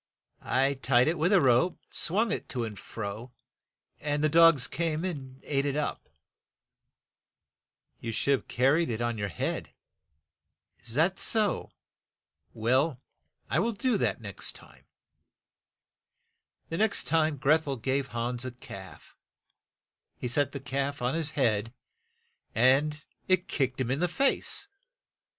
"I tied it with a rope, swung it to and fro, and the dogs came and ate it up." "You should CLEVER HANS 91 THE DOGS EAT UP HANS'S PIECE OF PORK. have carried it on your head." "Is that so? Well, I will do that the next time." The next time Greth el gave Hans a calf. He set the calf on his head, and it kicked him in the face.